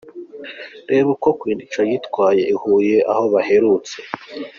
Reba uko Queen Cha yitwaye i Huye aho baherutse.